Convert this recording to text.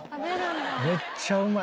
めっちゃうまい。